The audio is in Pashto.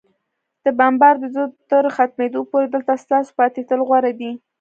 د بمبار د زور تر ختمېدو پورې، دلته ستاسو پاتېدل غوره دي.